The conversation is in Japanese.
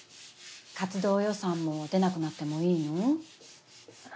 活動予算も出なくなってもいいの？